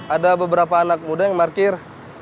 ada beberapa anak muda yang parkir